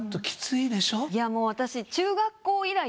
いやもう私。